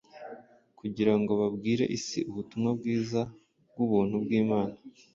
kugira ngo babwire isi ubutumwa bwiza bw’ubuntu bw’Imana.